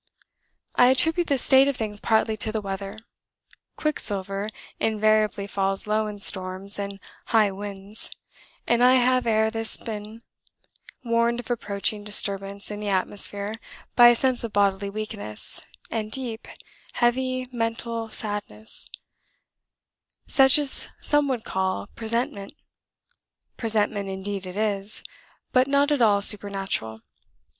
I attribute this state of things partly to the weather. Quicksilver invariably falls low in storms and high winds, and I have ere this been warned of approaching disturbance in the atmosphere by a sense of bodily weakness, and deep, heavy mental sadness, such as some would call PRESENTIMENT, presentiment indeed it is, but not at all super natural.